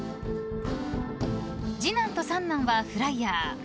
［次男と三男はフライヤー。